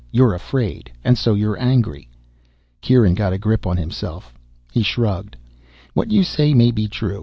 You're afraid, and so you're angry." Kieran got a grip on himself. He shrugged. "What you say may be true.